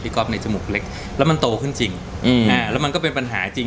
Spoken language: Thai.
ก๊อฟในจมูกเล็กแล้วมันโตขึ้นจริงอืมอ่าแล้วมันก็เป็นปัญหาจริง